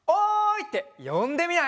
ってよんでみない？